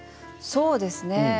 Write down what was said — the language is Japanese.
そうですね